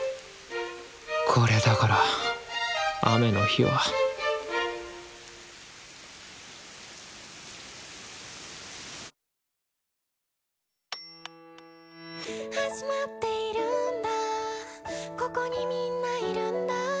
これだから雨の日は「始まっているんだここに皆いるんだ」